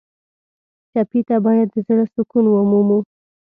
ټپي ته باید د زړه سکون ومومو.